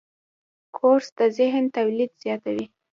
کورس د ذهن تولید زیاتوي.